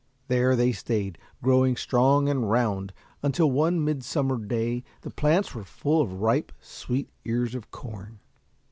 There they stayed, growing strong and round, until one midsummer day the plants were full of ripe, sweet ears of corn.